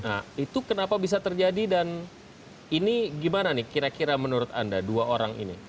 nah itu kenapa bisa terjadi dan ini gimana nih kira kira menurut anda dua orang ini